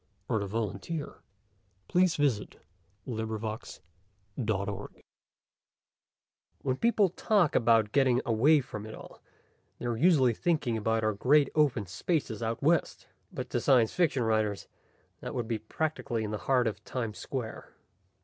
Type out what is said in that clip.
net BESIDE STILL WATERS BY ROBERT SHECKLEY _When people talk about getting away from it all, they are usually thinking about our great open spaces out west. But to science fiction writers, that would be practically in the heart of Times Square.